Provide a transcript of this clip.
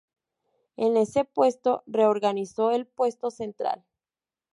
En ese puesto reorganizó el Puesto Central.